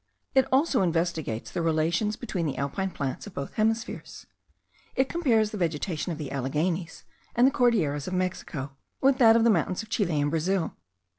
It also investigates the relations between the alpine plants of both hemispheres. It compares the vegetation of the Alleghanies and the Cordilleras of Mexico, with that of the mountains of Chile and Brazil.